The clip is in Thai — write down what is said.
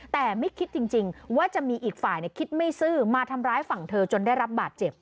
แต่ไม่คิดจริงว่าจะมีอีกฝ่ายคิดไม่ซื่อมาทำร้ายฝั่งเธอจนได้รับบาดเจ็บ